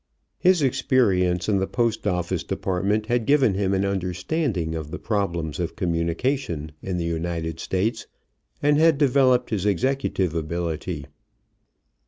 His experience in the Post office Department had given him an understanding of the problems of communication in the United States, and had developed his executive ability.